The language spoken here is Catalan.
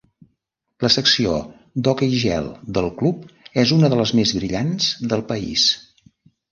La secció d'hoquei gel del club és una de les més brillants del país.